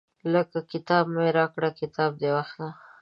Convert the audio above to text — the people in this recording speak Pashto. لکه کتاب مې راکړه کتاب دې واخله.